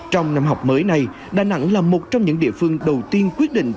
trong năm học mới này đà nẵng là một trong những địa phương đầu tiên quyết định